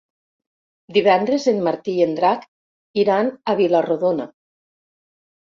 Divendres en Martí i en Drac iran a Vila-rodona.